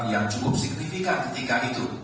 yang cukup signifikan ketika itu